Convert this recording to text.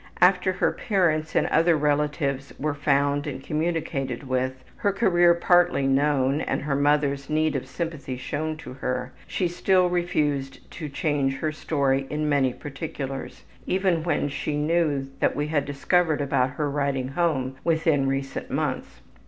After her parents and other relatives were found and communicated with, her career partly known, and her mother's need of sympathy shown to her, she still refused to change her story in many particulars even when she knew that we had discovered about her writing home within recent months.